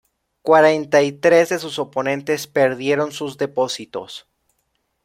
Cuarenta y tres de sus oponentes perdieron sus depósitos.